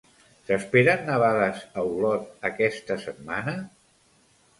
S'esperen nevades a Olot aquesta setmana?